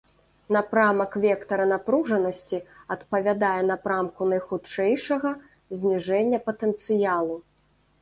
Напрамак вектара напружанасці адпавядае напрамку найхутчэйшага зніжэння патэнцыялу.